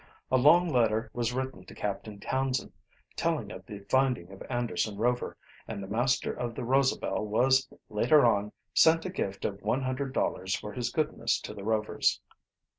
A long letter was written to Captain Townsend, telling of the finding of Anderson Rover, and the master of the Rosabel was, later on, sent a gift of one hundred dollars for his goodness to the Rovers.